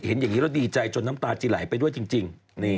เห็นอย่างนี้แล้วดีใจจนน้ำตาจะไหลไปด้วยจริง